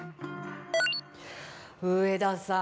上田さん